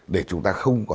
để chúng ta